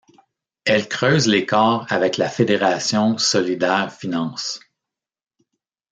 Elle creuse l'écart avec la fédération solidaires finances.